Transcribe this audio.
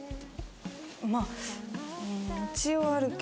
まあ。